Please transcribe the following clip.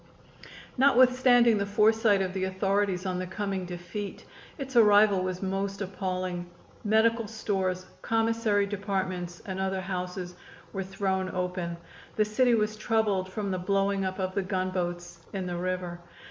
Notwithstanding the foresight of the authorities on the coming defeat, its arrival was most appalling. Medical stores, commissary departments and other houses were thrown open. The city was troubled from the blowing up of the gunboats in the river.